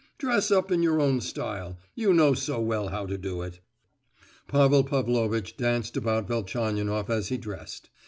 Dress up in your own style—you know so well how to do it." Pavel Pavlovitch danced about Velchaninoff as he dressed.